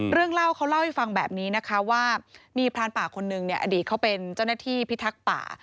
เรื่องเล่าเขาเล่าให้ฟังแบบนี้นะคะว่ามีพรานป่าคนนึงเนี่ยอดีตเขาเป็นเจ้าหน้าที่พิทักษ์ป่า